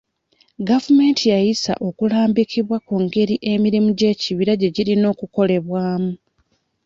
Gavumenti yayisa okulambikibwa ku ngeri emirimu gy'ekibira gye girina okukolebwamu.